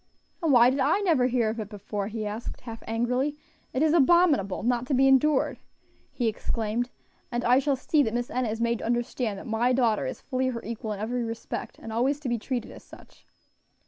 "And why did I never hear of it before?" he asked, half angrily. "It is abominable! not to be endured!" he exclaimed, "and I shall see that Miss Enna is made to understand that my daughter is fully her equal in every respect, and always to be treated as such."